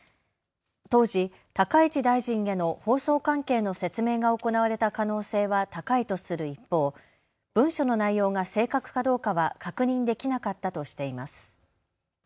当時、高市大臣への放送関係の説明が行われた可能性は高いとする一方、文書の内容が正確かどうかは確認できなかったとしています。